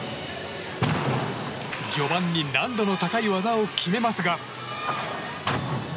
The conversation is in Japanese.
序盤に難度の高い技を決めますが。